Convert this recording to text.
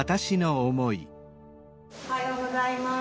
おはようございます。